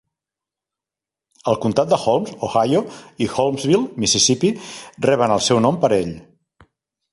El comtat de Holmes, Ohio, i Holmesville, Mississippi, reben el seu nom per ell.